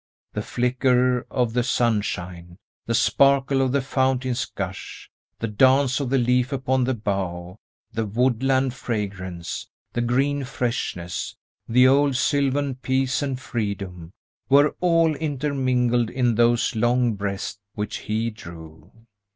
The flicker of the sunshine, the sparkle of the fountain's gush, the dance of the leaf upon the bough, the woodland fragrance, the green freshness, the old sylvan peace and freedom, were all intermingled in those long breaths which he drew.